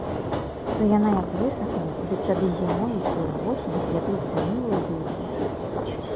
То яна як высахне, дык тады зімою ці ўвосень з'ядуць за мілую душу.